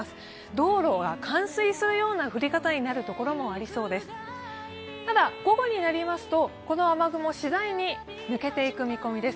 道路が冠水するような降り方になる所もありそうです。